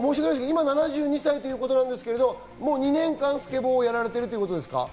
今、７２歳ということですが、２年間スケボーやられているということですか？